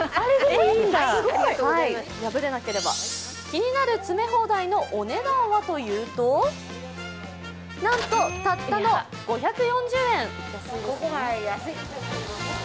気になる詰め放題のお値段はというと、なんと、たったの５４０円。